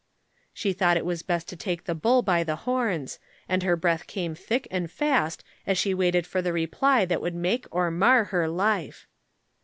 She thought it was best to take the bull by the horns, and her breath came thick and fast as she waited for the reply that would make or mar her life.